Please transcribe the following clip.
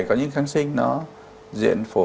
có những kháng sinh nó diện phổ